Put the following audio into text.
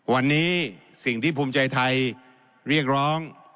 วันนี้สิ่งที่ภูมิใจไทยเรียกร้อง